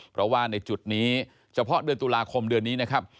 เพราะว่าในจุดนี้เฉพาะเดือนตุลาคมเดือนนี้นะครับ